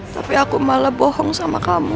tapi aku malah bohong sama kamu